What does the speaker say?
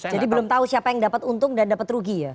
jadi belum tahu siapa yang dapat untung dan dapat rugi ya